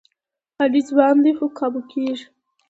علي ځوان دی، خو قابو کېږي.